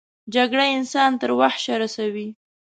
جګړه انسان تر وحشه رسوي